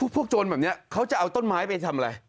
โจรแบบนี้เขาจะเอาต้นไม้ไปทำอะไร